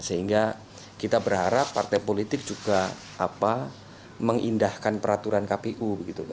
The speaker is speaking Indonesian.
sehingga kita berharap partai politik juga mengindahkan peraturan kpu